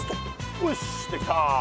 よしできた！